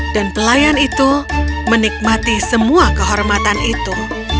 dan pelayan itu menikmati semua kehormatan itu